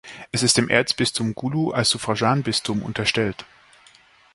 Es ist dem Erzbistum Gulu als Suffraganbistum unterstellt.